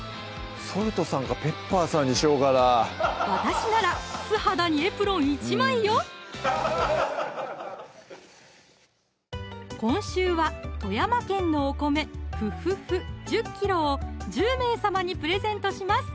あっ私なら素肌にエプロン１枚よ！今週は富山県のお米「富富富」１０ｋｇを１０名様にプレゼントします